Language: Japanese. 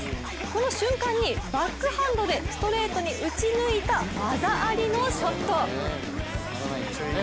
この瞬間にバックハンドでストレートに打ち抜いた技ありのショット。